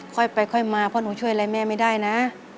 ค่อยไปค่อยมาเพราะหนูช่วยอะไรแม่ไม่ได้นะ